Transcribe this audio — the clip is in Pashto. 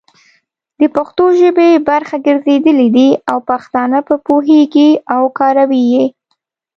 د پښتو ژبې برخه ګرځېدلي دي او پښتانه په پوهيږي او کاروي يې،